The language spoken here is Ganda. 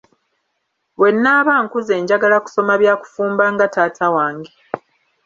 Bwe naaba nkuze njagala kusoma byakufumba nga taata wange.